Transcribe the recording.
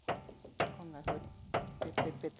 こんなふうにペッペッペッと。